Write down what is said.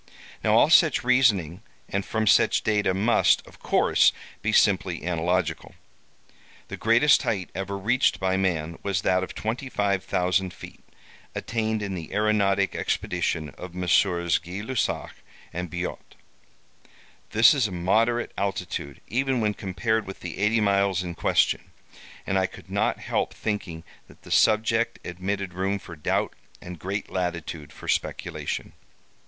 Now, all such reasoning and from such data must, of course, be simply analogical. The greatest height ever reached by man was that of 25,000 feet, attained in the aeronautic expedition of Messieurs Gay Lussac and Biot. This is a moderate altitude, even when compared with the eighty miles in question; and I could not help thinking that the subject admitted room for doubt and great latitude for speculation.